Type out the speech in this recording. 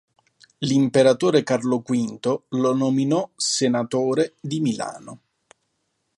L'imperatore Carlo V lo nominò senatore di Milano.